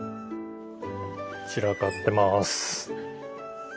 散らかってます。